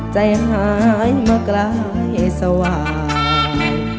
ใจหายเมื่อกลายสว่าง